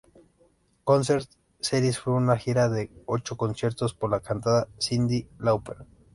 Concert Series fue una gira de ocho conciertos por la cantante Cyndi Lauper.